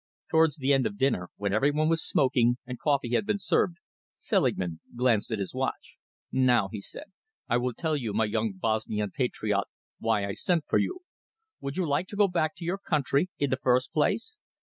Towards the end of dinner, when every one was smoking and coffee had been served, Selingman glanced at his watch. "Now," he said, "I will tell you, my young Bosnian patriot, why I sent for you. Would you like to go back to your country, in the first place?"